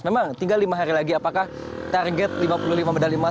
memang tinggal lima hari lagi apakah target lima puluh lima medali emas